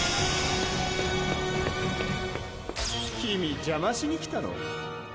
君邪魔しに来たの？